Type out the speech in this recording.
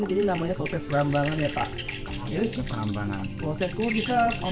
ini namanya proses perambangan ya pak